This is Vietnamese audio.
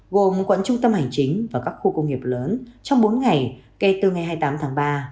gồm quận trung tâm hành chính và các khu công nghiệp lớn trong bốn ngày kể từ ngày hai mươi tám tháng ba